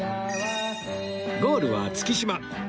ゴールは月島